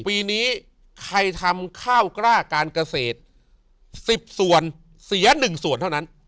ปีนี้ใครทำข้าวกล้าการเกษตร๑๐ส่วนเสีย๑ส่วนเท่านั้น